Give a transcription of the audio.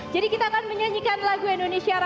jadi kita akan menyanyikan lagu indonesia raya